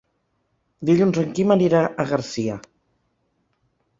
Dilluns en Quim anirà a Garcia.